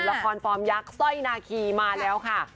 ละครฟอร์มยักษ์สร้อยนาคีมาแล้วค่ะ